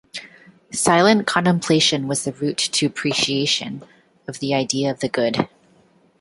Silent contemplation was the route to appreciation of the Idea of the Good.